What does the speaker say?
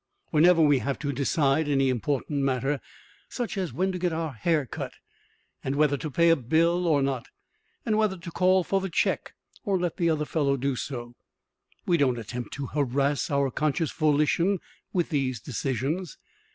Whenever we have to decide any important matter, such as when to get our hair cut and whether to pay a bill or not, and whether to call for the check or let the other fellow do so, we don't attempt to harass our conscious volition with these decisions.